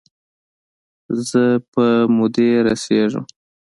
زه په مودې رسیږم